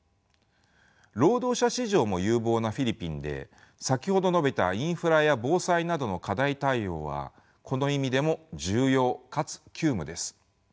労働者市場も有望なフィリピンで先ほど述べたインフラや防災などの課題対応はこの意味でも重要かつ急務です。